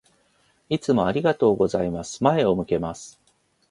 いつもありがとうございます。前を向けます。